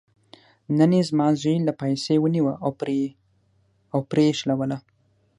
نن یې زما زوی له پایڅې ونیوه او پرې یې شلوله.